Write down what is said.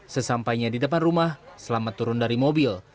sesampainya di depan rumah selamat turun dari mobil